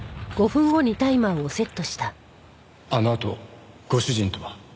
あのあとご主人とは？